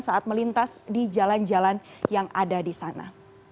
saat melintas di jalan jalan yang ada di sana